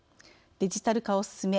デジタル化を進め